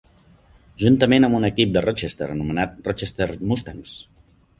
Juntament amb un equip de Rochester anomenat Rochester Mustangs.